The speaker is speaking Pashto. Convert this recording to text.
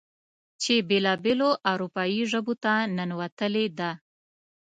چې بېلا بېلو اروپايې ژبو ته ننوتلې ده.